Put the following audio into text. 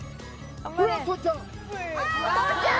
ほらとっちゃん！